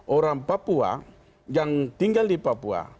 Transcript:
orang papua yang tinggal di papua